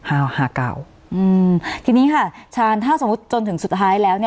อืมทีนี้ค่ะชาญถ้าสมมุติจนถึงสุดท้ายแล้ว